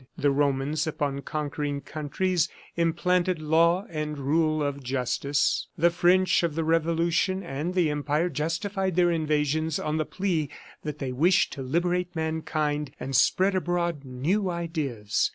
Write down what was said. The Romans, upon conquering countries, implanted law and the rule of justice. The French of the Revolution and the Empire justified their invasions on the plea that they wished to liberate mankind and spread abroad new ideas.